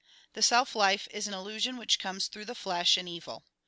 The self life is an illusion which comes through the flesh, an evil.